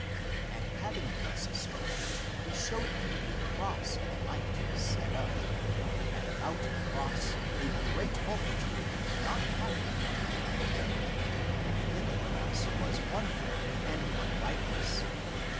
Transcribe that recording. And having thus spoken, he showed me a cross of light set up, and about the cross a great multitude, not having one form; and in the cross was one form and one likeness.